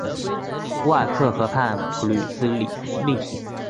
乌尔克河畔普吕斯利。